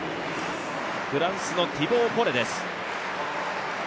フランスのティボー・コレです。